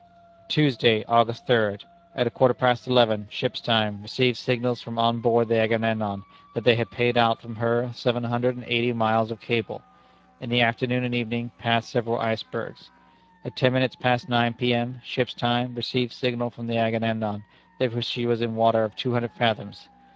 "Tuesday, August third. At a quarter past eleven, ship's time, received signals from on board the Agamemnon, that they had paid out from her seven hundred and eighty miles of cable. In the afternoon and evening passed several icebergs. At ten minutes past nine P.M., ship's time, received signal from the Agamemnon that she was in water of two hundred fathoms.